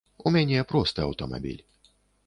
У мяне просты аўтамабіль.